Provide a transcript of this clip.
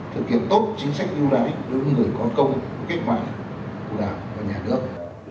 thực hiện tốt chính sách ưu đãi đối với người có công với cách mạng của đảng và nhà nước